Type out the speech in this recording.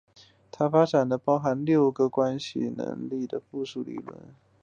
他发展了一种包含有六个关系能力阶段的依附理论。